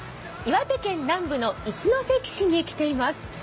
岩手県南部の一関市に来ています。